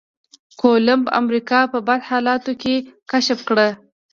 کولمب امريکا په بد حالاتو کې کشف کړه.